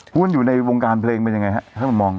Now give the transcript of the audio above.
พูดอยู่ในวงการเพลงเป็นยังไงครับ